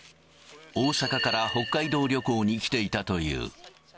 大阪から北海道旅行に来ていたという。